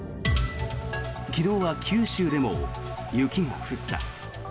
昨日は九州でも雪が降った。